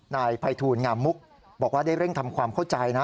นายภัยทูลงามมุกบอกว่าได้เร่งทำความเข้าใจนะ